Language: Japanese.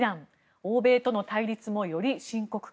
欧米との対立もより深刻化。